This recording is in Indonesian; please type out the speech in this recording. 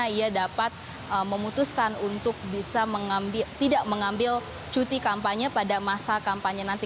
ia dapat memutuskan untuk bisa mengambil tidak mengambil cuti kampanye pada masa kampanye nanti